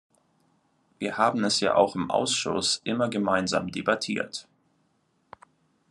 Wir haben es ja auch im Ausschuss immer gemeinsam debattiert.